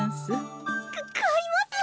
か買います！